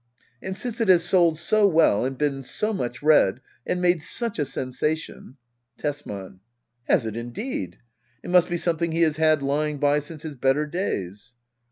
And since it has sold so well^ and been so much read — and made such a sensation Tesman. Has it indeed ? It must be something he has had lying by since his better days.